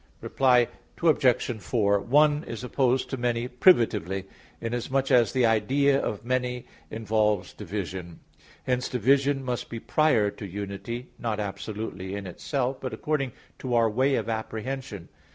Reply Obj. 4: "One" is opposed to "many" privatively, inasmuch as the idea of "many" involves division. Hence division must be prior to unity, not absolutely in itself, but according to our way of apprehension.